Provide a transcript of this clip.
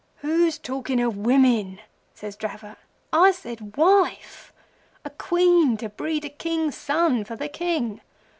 "'Who's talking o' women?' says Dravot. 'I said wife—a Queen to breed a King's son for the King.